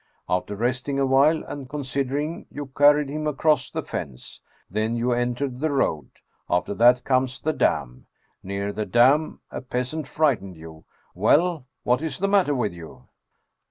After resting awhile and consider ing, you carried him across the fence. Then you entered the road. After that comes the dam. Near the dam, a peasant frightened you. Well, what is the matter with you?"